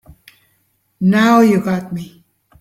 Now you got me.